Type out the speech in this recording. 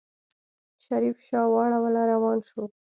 شريف شا واړوله روان شو.